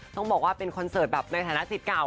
ต้องบอกว่าเป็นคอนเสิร์ตแบบในฐานะสิทธิ์เก่า